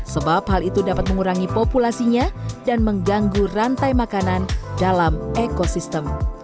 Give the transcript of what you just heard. sebab hal itu dapat mengurangi populasinya dan mengganggu rantai makanan dalam ekosistem